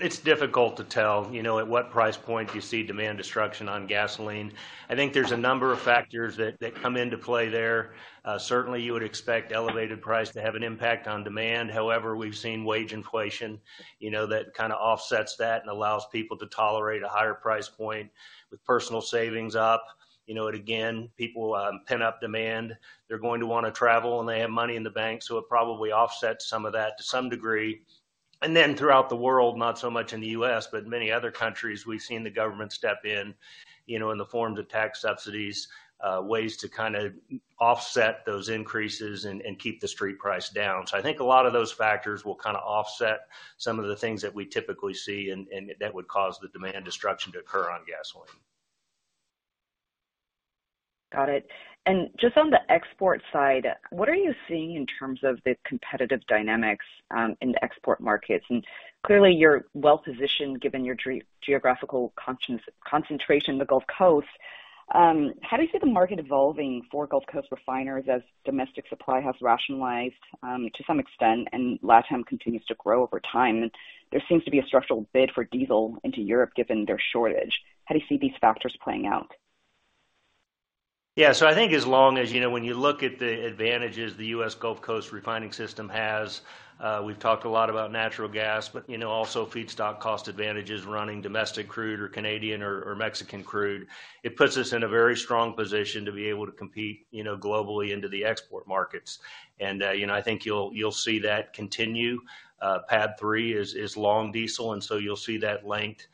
E: It's difficult to tell, you know, at what price point do you see demand destruction on gasoline. I think there's a number of factors that come into play there. Certainly you would expect elevated price to have an impact on demand. However, we've seen wage inflation, you know, that kind of offsets that and allows people to tolerate a higher price point. With personal savings up, you know, it again, people, pent-up demand. They're going to wanna travel, and they have money in the bank, so it probably offsets some of that to some degree. Then throughout the world, not so much in the U.S., but many other countries, we've seen the government step in, you know, in the form of tax subsidies, ways to kind of offset those increases and keep the street price down. I think a lot of those factors will kind of offset some of the things that we typically see and that would cause the demand destruction to occur on gasoline.
M: Got it. Just on the export side, what are you seeing in terms of the competitive dynamics in the export markets? Clearly you're well-positioned given your geographical concentration, the Gulf Coast. How do you see the market evolving for Gulf Coast refiners as domestic supply has rationalized to some extent and Latin America continues to grow over time? There seems to be a structural bid for diesel into Europe, given their shortage. How do you see these factors playing out?
E: Yeah. I think as long as you know, when you look at the advantages the U.S. Gulf Coast refining system has, we've talked a lot about natural gas, but you know, also feedstock cost advantages running domestic crude or Canadian or Mexican crude. It puts us in a very strong position to be able to compete you know, globally into the export markets. I think you'll see that continue. PADD 3 is long diesel, and so you'll see that length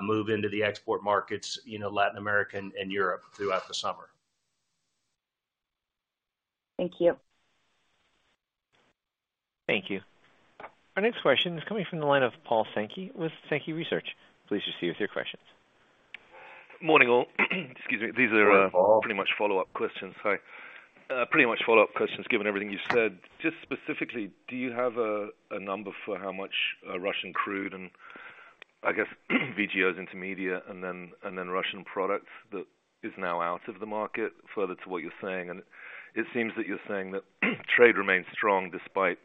E: move into the export markets you know, Latin American and Europe throughout the summer.
M: Thank you.
A: Thank you. Our next question is coming from the line of Paul Sankey with Sankey Research. Please proceed with your questions.
N: Morning, all. Excuse me.
E: Morning, Paul.
N: These are pretty much follow-up questions. Sorry. Pretty much follow-up questions given everything you said. Just specifically, do you have a number for how much Russian crude and I guess VGOs, intermediates and then Russian products that is now out of the market further to what you're saying? It seems that you're saying that trade remains strong despite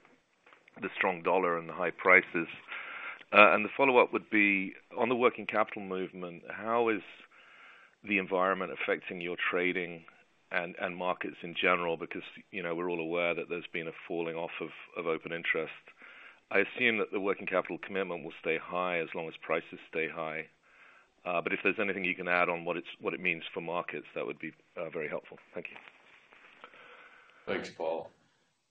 N: the strong dollar and the high prices. The follow-up would be on the working capital movement, how is the environment affecting your trading and markets in general? Because, you know, we're all aware that there's been a falling off of open interest. I assume that the working capital commitment will stay high as long as prices stay high. If there's anything you can add on what it means for markets, that would be very helpful. Thank you.
F: Thanks, Paul.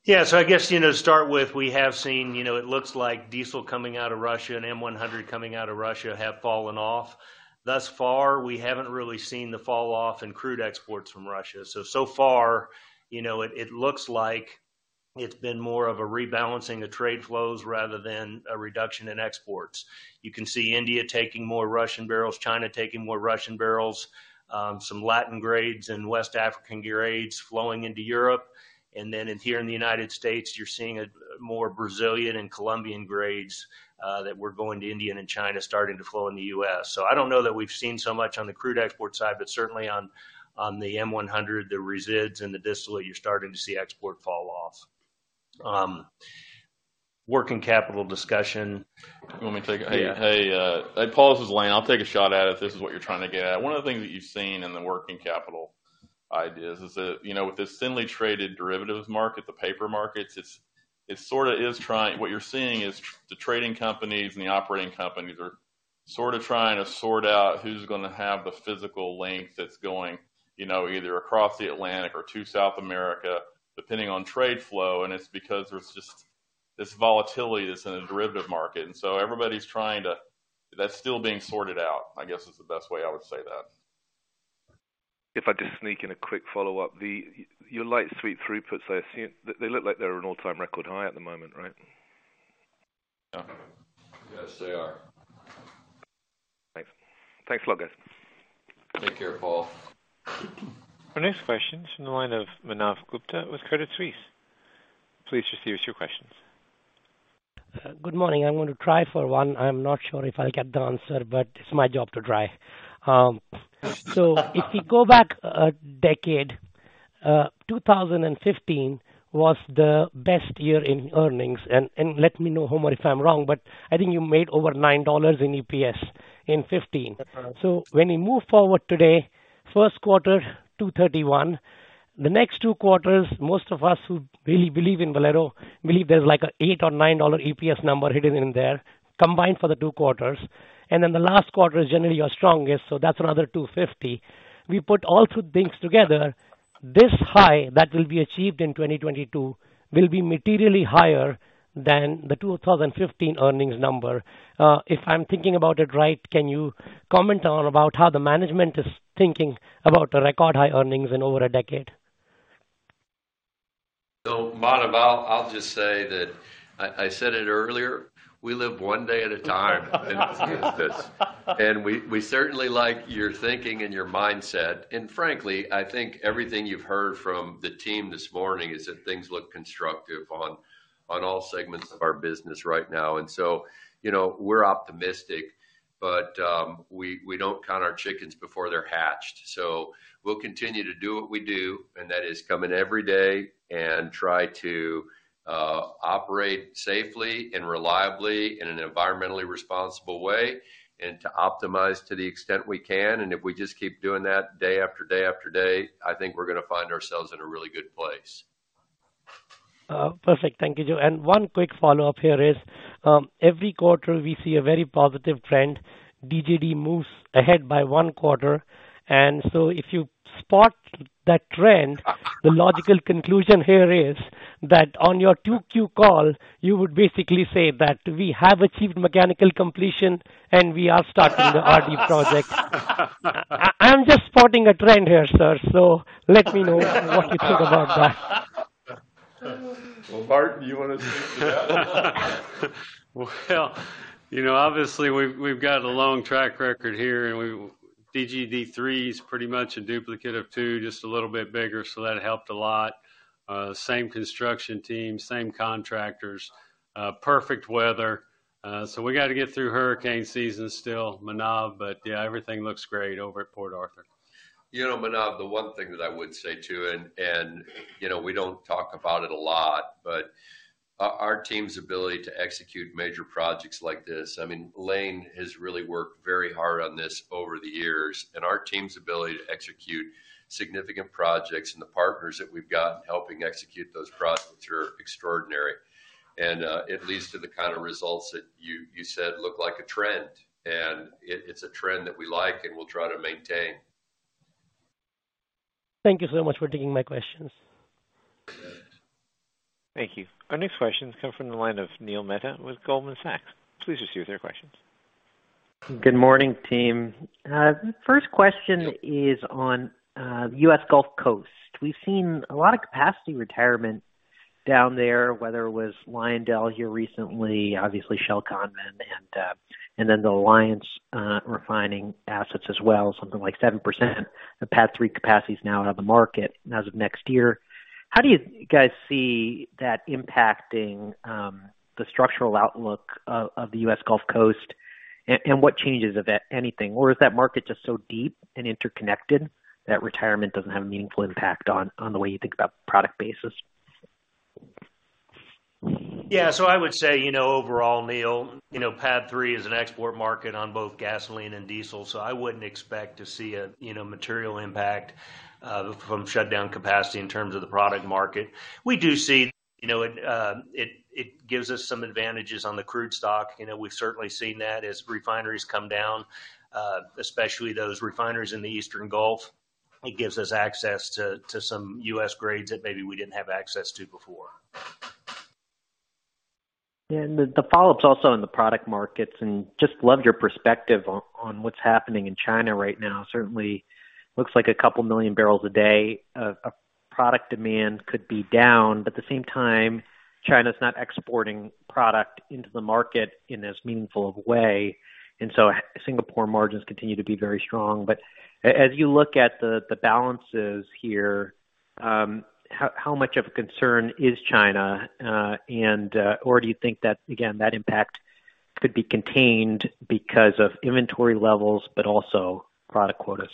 E: Yeah. I guess, you know, to start with, we have seen, you know, it looks like diesel coming out of Russia and M100 coming out of Russia have fallen off. Thus far, we haven't really seen the fall off in crude exports from Russia. So far, you know, it looks like it's been more of a rebalancing the trade flows rather than a reduction in exports. You can see India taking more Russian barrels, China taking more Russian barrels, some Latin grades and West African grades flowing into Europe. Then in here in the United States, you're seeing more Brazilian and Colombian grades that were going to India and China starting to flow in the U.S. I don't know that we've seen so much on the crude export side, but certainly on the M100, the resids, and the distillate, you're starting to see export fall off. Working capital discussion.
F: You want me to take it?
E: Yeah.
F: Hey, hey, Paul, this is Lane. I'll take a shot at it if this is what you're trying to get at. One of the things that you've seen in the working capital ideas is that, you know, with this thinly traded derivatives market, the paper markets, it's sorta trying. What you're seeing is the trading companies and the operating companies are sorta trying to sort out who's gonna have the physical length that's going, you know, either across the Atlantic or to South America, depending on trade flow. It's because there's just this volatility that's in the derivative market. Everybody's trying to. That's still being sorted out, I guess is the best way I would say that.
N: If I could sneak in a quick follow-up. Your light sweet throughputs, I assume they look like they're an all-time record high at the moment, right?
F: Yeah. Yes, they are.
N: Thanks. Thanks a lot, guys.
F: Take care, Paul.
A: Our next question is from the line of Manav Gupta with Credit Suisse. Please proceed with your questions.
O: Good morning. I'm going to try for one. I'm not sure if I'll get the answer, but it's my job to try. If we go back a decade, 2015 was the best year in earnings. Let me know, Homer, if I'm wrong, but I think you made over $9 in EPS in 2015.
E: That's right.
O: When we move forward today, first quarter, $2.31. The next two quarters, most of us who really believe in Valero believe there's like a $8 or $9 EPS number hidden in there combined for the two quarters. Then the last quarter is generally your strongest, so that's another $2.50. We put all two things together, this high that will be achieved in 2022 will be materially higher than the 2015 earnings number. If I'm thinking about it right, can you comment on about how the management is thinking about the record high earnings in over a decade?
C: Well, Manav, I'll just say that I said it earlier, we live one day at a time in this business. We certainly like your thinking and your mindset. Frankly, I think everything you've heard from the team this morning is that things look constructive on all segments of our business right now. You know, we're optimistic, but we don't count our chickens before they're hatched. We'll continue to do what we do, and that is come in every day and try to operate safely and reliably in an environmentally responsible way and to optimize to the extent we can. If we just keep doing that day after day after day, I think we're gonna find ourselves in a really good place.
O: Perfect. Thank you, Joe. One quick follow-up here is, every quarter we see a very positive trend. DGD moves ahead by one quarter. If you spot that trend, the logical conclusion here is that on your 2Q call, you would basically say that we have achieved mechanical completion and we are starting the RD project. I'm just spotting a trend here, sir. Let me know what you think about that.
C: Well, Martin, do you wanna take that?
J: Well, you know, obviously we've got a long track record here, and DGD 3 is pretty much a duplicate of 2, just a little bit bigger, so that helped a lot. Same construction team, same contractors, perfect weather. We gotta get through hurricane season still, Manav. Yeah, everything looks great over at Port Arthur.
C: You know, Manav, the one thing that I would say, too, and you know, we don't talk about it a lot, but our team's ability to execute major projects like this. I mean, Lane has really worked very hard on this over the years. Our team's ability to execute significant projects and the partners that we've got in helping execute those projects are extraordinary. It leads to the kind of results that you said look like a trend. It's a trend that we like and we'll try to maintain.
O: Thank you so much for taking my questions.
C: Good.
A: Thank you. Our next questions come from the line of Neil Mehta with Goldman Sachs. Please proceed with your questions.
P: Good morning, team. First question is on U.S. Gulf Coast. We've seen a lot of capacity retirement down there, whether it was LyondellBasell here recently, obviously Shell Convent and then the Alliance refining assets as well, something like 7% of PADD 3 capacity is now out of the market as of next year. How do you guys see that impacting the structural outlook of the U.S. Gulf Coast? What changes, if anything? Is that market just so deep and interconnected that retirement doesn't have a meaningful impact on the way you think about product basis?
E: I would say, you know, overall, Neil, you know, PADD 3 is an export market on both gasoline and diesel. I wouldn't expect to see a you know material impact from shutdown capacity in terms of the product market. We do see. You know, it gives us some advantages on the crude stock. You know, we've certainly seen that as refineries come down, especially those refineries in the Eastern Gulf. It gives us access to some U.S. grades that maybe we didn't have access to before.
P: The follow-up's also on the product markets and just love your perspective on what's happening in China right now. Certainly looks like 2 million barrels a day of product demand could be down. But at the same time, China's not exporting product into the market in as meaningful of a way. Singapore margins continue to be very strong. But as you look at the balances here, how much of a concern is China. Or do you think that, again, that impact could be contained because of inventory levels but also product quotas?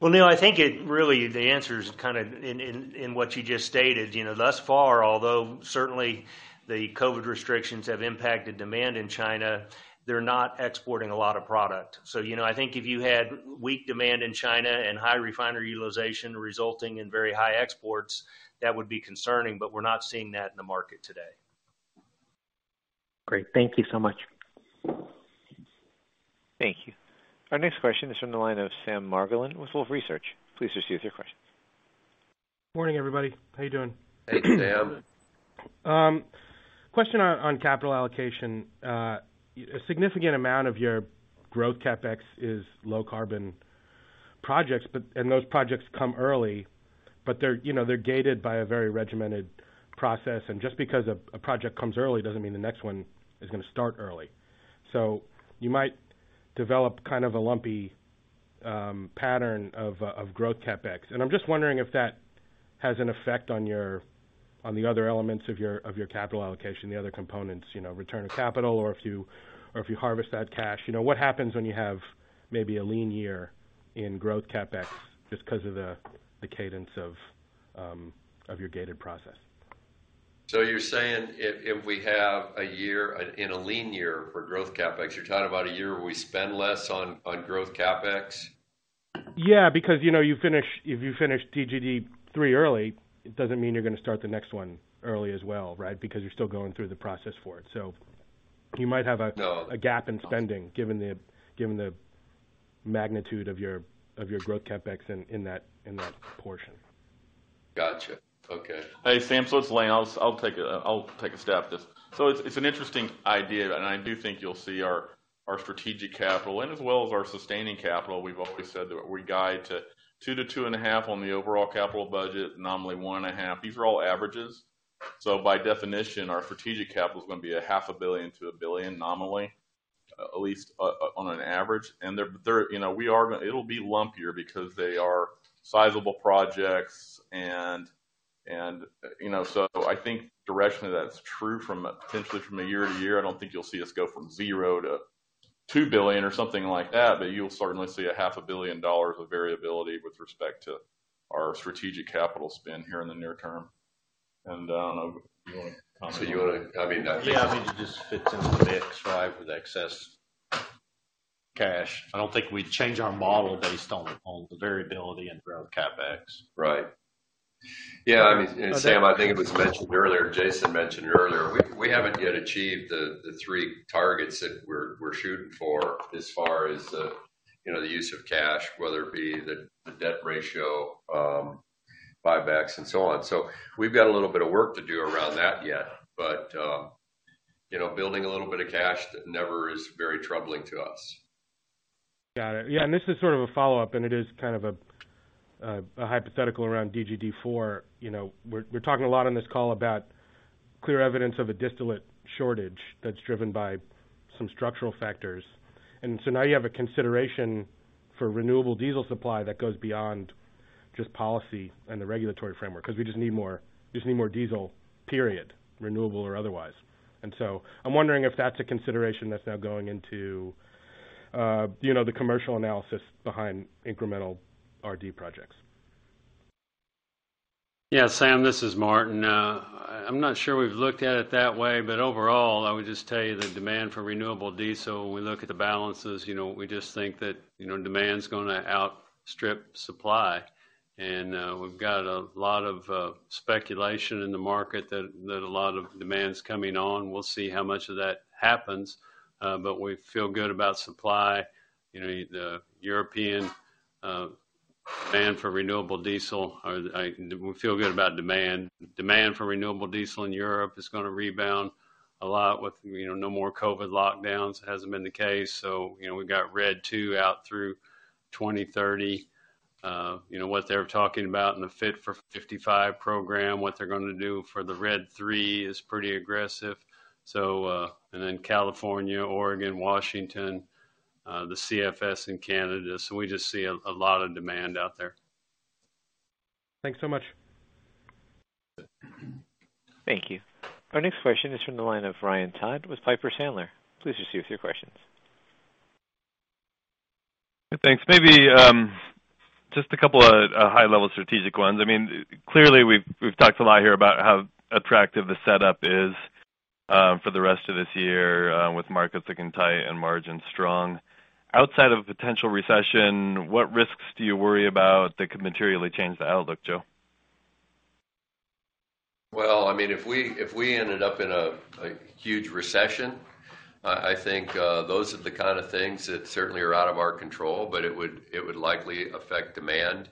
E: Well, Neil, I think the answer is kind of in what you just stated. You know, thus far, although certainly the COVID restrictions have impacted demand in China, they're not exporting a lot of product. You know, I think if you had weak demand in China and high refinery utilization resulting in very high exports, that would be concerning, but we're not seeing that in the market today.
P: Great. Thank you so much.
A: Thank you. Our next question is from the line of Sam Margolin with Wolfe Research. Please proceed with your question.
Q: Morning, everybody. How you doing?
C: Hey, Sam.
Q: Question on capital allocation. A significant amount of your growth CapEx is low carbon projects, but those projects come early, but they're, you know, they're gated by a very regimented process. Just because a project comes early doesn't mean the next one is gonna start early. You might develop kind of a lumpy pattern of growth CapEx. I'm just wondering if that has an effect on your other elements of your capital allocation, the other components, you know, return of capital or if you harvest that cash. You know, what happens when you have maybe a lean year in growth CapEx just 'cause of the cadence of your gated process?
C: You're saying if we have a year in a lean year for growth CapEx, you're talking about a year where we spend less on growth CapEx?
Q: Yeah, because, you know, if you finish DGD 3 early, it doesn't mean you're gonna start the next one early as well, right? Because you're still going through the process for it. You might have a—
C: No.
Q: A gap in spending given the magnitude of your growth CapEx in that portion.
C: Gotcha. Okay.
F: Hey, Sam. It's Lane. I'll take a stab at this. It's an interesting idea, and I do think you'll see our strategic capital as well as our sustaining capital. We've always said that we guide to $2 billion-$2.5 billion on the overall capital budget, nominally $1.5 billion. These are all averages. By definition, our strategic capital is going to be $500 million-$1 billion nominally, at least on an average. They're, you know, it'll be lumpier because they are sizable projects and, you know, so I think directionally that's true potentially from a year to year. I don't think you'll see us go from zero to $2 billion or something like that, but you'll certainly see $500 million of variability with respect to our strategic capital spend here in the near term. You want to comment?
C: I mean, I think
F: Yeah, I mean, it just fits into the mix, right, with excess cash. I don't think we'd change our model based on the variability around CapEx.
C: Right. Yeah, I mean, and Sam, I think it was mentioned earlier, Jason mentioned earlier, we haven't yet achieved the three targets that we're shooting for as far as the, you know, the use of cash, whether it be the debt ratio, buybacks and so on. So we've got a little bit of work to do around that yet, but, you know, building a little bit of cash never is very troubling to us.
Q: Got it. Yeah, this is sort of a follow-up, and it is kind of a hypothetical around DGD 4. You know, we're talking a lot on this call about clear evidence of a distillate shortage that's driven by some structural factors. Now you have a consideration for renewable diesel supply that goes beyond just policy and the regulatory framework because we just need more diesel, period, renewable or otherwise. I'm wondering if that's a consideration that's now going into, you know, the commercial analysis behind incremental RD projects.
J: Yeah, Sam, this is Martin. I'm not sure we've looked at it that way. Overall, I would just tell you the demand for renewable diesel, when we look at the balances, you know, we just think that, you know, demand's gonna outstrip supply. We've got a lot of speculation in the market that a lot of demand's coming on. We'll see how much of that happens. We feel good about supply. You know, the European demand for renewable diesel. We feel good about demand. Demand for renewable diesel in Europe is gonna rebound a lot with, you know, no more COVID lockdowns. It hasn't been the case. You know, we've got RED II out through 2030. You know, what they're talking about in the Fit for 55 program, what they're gonna do for the RED III is pretty aggressive. California, Oregon, Washington, the CFS in Canada. We just see a lot of demand out there.
Q: Thanks so much.
A: Thank you. Our next question is from the line of Ryan Todd with Piper Sandler. Please proceed with your questions.
R: Thanks. Maybe, just a couple of, high-level strategic ones. I mean, clearly, we've talked a lot here about how attractive the setup is, for the rest of this year, with markets looking tight and margins strong. Outside of a potential recession, what risks do you worry about that could materially change the outlook, Joe?
C: Well, I mean, if we ended up in a huge recession, I think those are the kind of things that certainly are out of our control, but it would likely affect demand.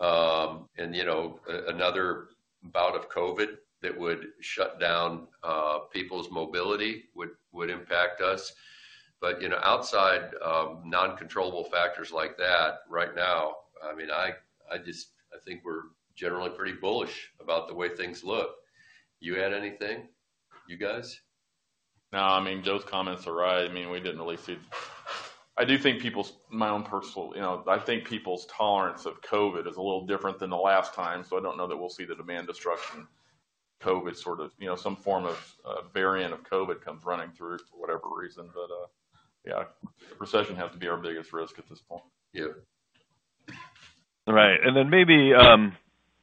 C: You know, another bout of COVID that would shut down people's mobility would impact us. You know, outside non-controllable factors like that, right now, I mean, I think we're generally pretty bullish about the way things look. You had anything, you guys?
F: No, I mean, Joe's comments are right. I mean, we didn't really see. I think people's tolerance of COVID is a little different than the last time, so I don't know that we'll see the demand destruction. COVID sort of, you know, some form of a variant of COVID comes running through for whatever reason. Yeah, recession has to be our biggest risk at this point.
C: Yeah.
R: All right. Maybe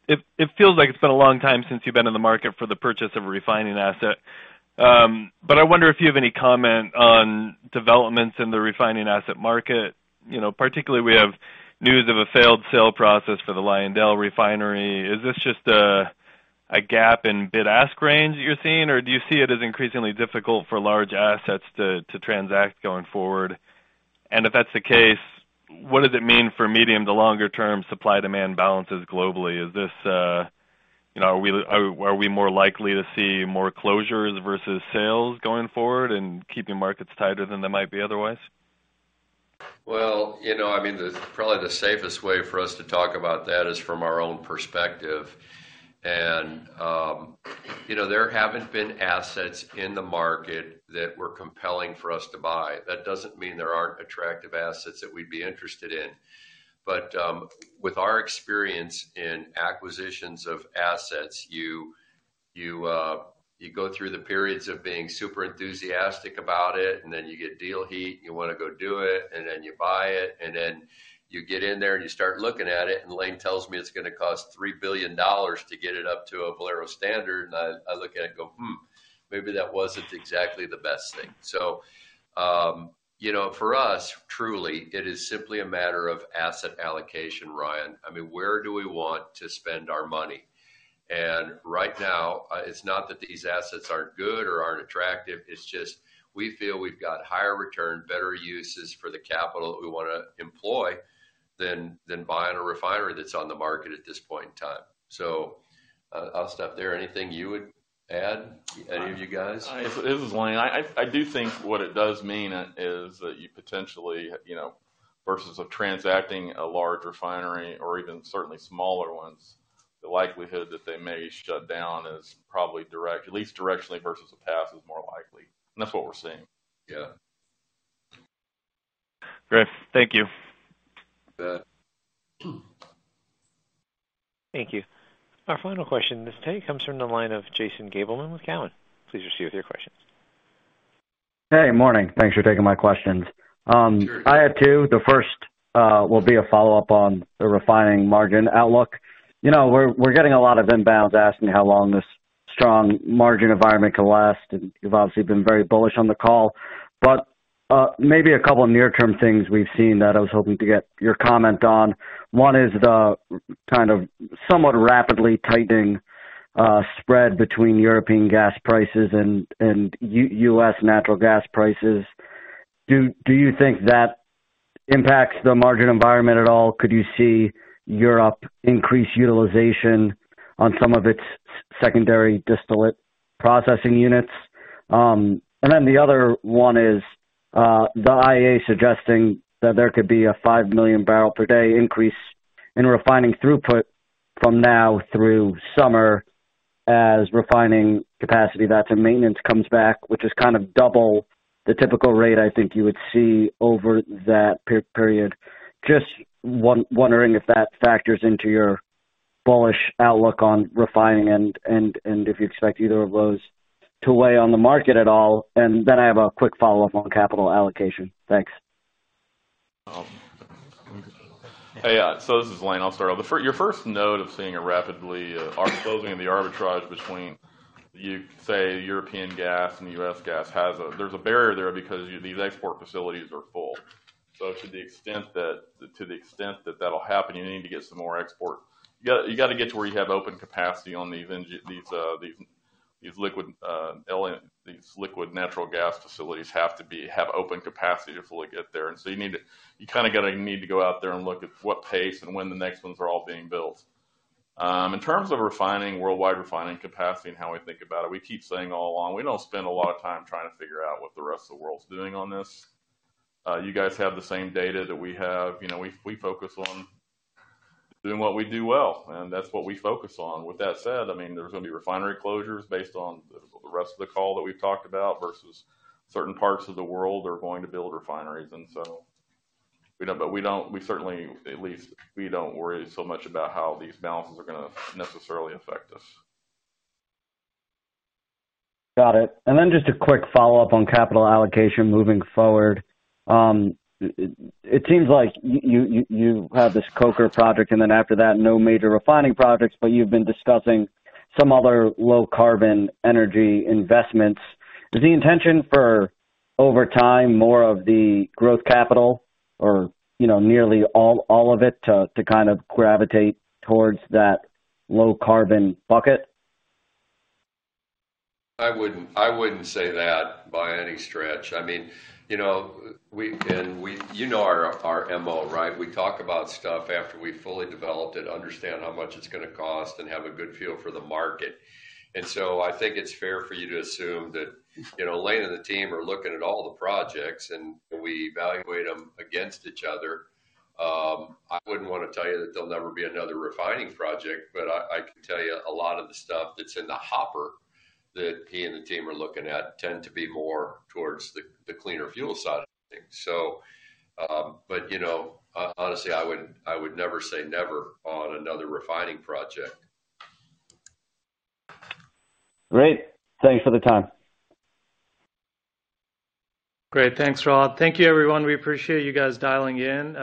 R: it feels like it's been a long time since you've been in the market for the purchase of a refining asset. I wonder if you have any comment on developments in the refining asset market. You know, particularly, we have news of a failed sale process for the LyondellBasell refinery. Is this just a gap in bid-ask range that you're seeing? Or do you see it as increasingly difficult for large assets to transact going forward? If that's the case, what does it mean for medium to longer term supply-demand balances globally? You know, are we more likely to see more closures versus sales going forward and keeping markets tighter than they might be otherwise?
C: Well, you know, I mean, probably the safest way for us to talk about that is from our own perspective. You know, there haven't been assets in the market that were compelling for us to buy. That doesn't mean there aren't attractive assets that we'd be interested in. With our experience in acquisitions of assets, you go through the periods of being super enthusiastic about it, and then you get deal heat, you wanna go do it, and then you buy it, and then you get in there, and you start looking at it, and Lane tells me it's gonna cost $3 billion to get it up to a Valero standard. I look at it and go, "Hmm, maybe that wasn't exactly the best thing." You know, for us, truly, it is simply a matter of asset allocation, Ryan. I mean, where do we want to spend our money? Right now, it's not that these assets aren't good or aren't attractive, it's just we feel we've got higher return, better uses for the capital that we wanna employ than buying a refinery that's on the market at this point in time. I'll stop there. Anything you would add, any of you guys?
F: This is Lane. I do think what it does mean is that you potentially, you know, versus transacting a large refinery or even certainly smaller ones, the likelihood that they may shut down is probably higher, at least directionally versus the past. That's what we're seeing.
C: Yeah.
R: Great. Thank you.
C: You bet.
A: Thank you. Our final question this day comes from the line of Jason Gabelman with Cowen. Please proceed with your questions.
S: Hey, morning. Thanks for taking my questions.
F: Sure.
S: I had two. The first will be a follow-up on the refining margin outlook. You know, we're getting a lot of inbounds asking how long this strong margin environment can last, and you've obviously been very bullish on the call. Maybe a couple of near-term things we've seen that I was hoping to get your comment on. One is the kind of somewhat rapidly tightening spread between European gas prices and U.S. natural gas prices. Do you think that impacts the margin environment at all? Could you see Europe increase utilization on some of its secondary distillate processing units? The other one is the IEA suggesting that there could be a 5 million barrel per day increase in refining throughput from now through summer as refining capacity that's in maintenance comes back, which is kind of double the typical rate I think you would see over that period. Just wondering if that factors into your bullish outlook on refining and if you expect either of those to weigh on the market at all. I have a quick follow-up on capital allocation. Thanks.
F: Hey, so this is Lane. I'll start off. Your first note of seeing a rapidly closing of the arbitrage between U.S. gas and European gas has a barrier there because these export facilities are full. To the extent that that'll happen, you need to get some more export. You gotta get to where you have open capacity on these liquid natural gas facilities to fully get there. You kinda need to go out there and look at what pace and when the next ones are all being built. In terms of refining, worldwide refining capacity and how we think about it, we keep saying all along, we don't spend a lot of time trying to figure out what the rest of the world's doing on this. You guys have the same data that we have. You know, we focus on doing what we do well, and that's what we focus on. With that said, I mean, there's gonna be refinery closures based on the rest of the call that we've talked about versus certain parts of the world are going to build refineries. We certainly, at least, we don't worry so much about how these balances are gonna necessarily affect us.
S: Got it. Just a quick follow-up on capital allocation moving forward. It seems like you have this coker project, and then after that, no major refining projects, but you've been discussing some other low-carbon energy investments. Is the intention for over time, more of the growth capital or nearly all of it to kind of gravitate towards that low-carbon bucket?
C: I wouldn't say that by any stretch. I mean, you know, You know our MO, right? We talk about stuff after we fully developed it, understand how much it's gonna cost, and have a good feel for the market. I think it's fair for you to assume that, you know, Lane and the team are looking at all the projects and we evaluate them against each other. I wouldn't wanna tell you that there'll never be another refining project, but I can tell you a lot of the stuff that's in the hopper that he and the team are looking at tend to be more towards the cleaner fuel side of things. You know, honestly, I would never say never on another refining project.
S: Great. Thanks for the time.
B: Great. Thanks for all. Thank you, everyone. We appreciate you guys dialing in.